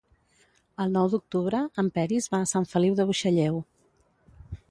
El nou d'octubre en Peris va a Sant Feliu de Buixalleu.